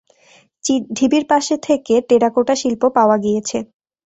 ঢিবির পাশে থেকে টেরাকোটা শিল্প পাওয়া গিয়েছে।